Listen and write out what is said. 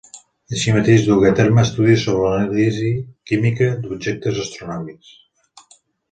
Així mateix dugué a terme estudis sobre l'anàlisi química d'objectes astronòmics.